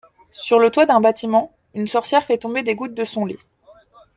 Sur le toit d'un bâtiment, une sorcière fait tomber des gouttes de son lait.